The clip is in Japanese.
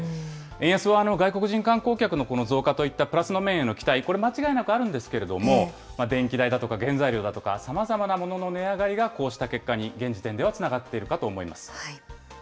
円安は外国人観光客のこの増加といったプラスの面への期待、これ、間違いなくあるんですけれども、電気代だとか原材料だとか、さまざまなものの値上がりが、こうした結果に現時点ではつながっているかと思います。